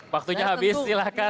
waktunya habis silahkan